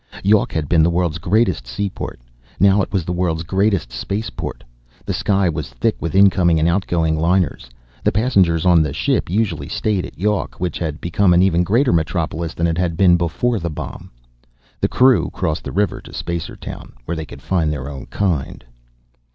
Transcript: Yawk had been the world's greatest seaport; now it was the world's greatest spaceport. The sky was thick with incoming and outgoing liners. The passengers on the ship usually stayed at Yawk, which had become an even greater metropolis than it had been before the Bomb. The crew crossed the river to Spacertown, where they could find their own kind.